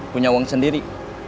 punya uang sendiri